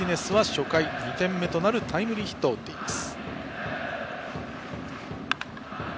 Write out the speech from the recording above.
初回、２点目となるタイムリーヒットを打っています。